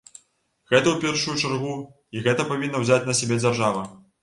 Гэта ў першую чаргу, і гэта павінна ўзяць на сябе дзяржава.